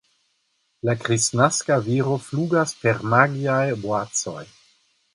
La kristnaska viro flugas per magiaj boacoj.